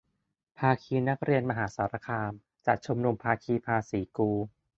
ภาคีนักเรียนมหาสารคาม จัดชุมนุม ภาคีภาษีกู